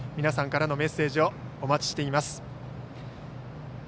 皆さんからのメッセージをお待ちしています。